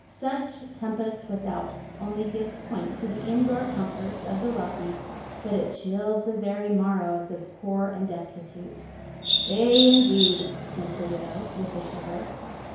"Such tempest without only gives point to the indoor comforts of the wealthy; but it chills the very marrow of the poor and destitute." "Aye, indeed," sniffed the widow, with a shiver.